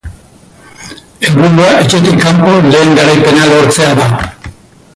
Helburua etxetik kanpo lehen garaipena lortzea da.